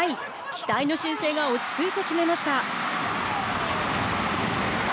期待の新星が落ち着いて決めました。